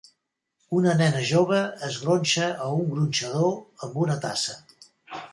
Una nena jove es gronxa a un gronxador amb una tassa.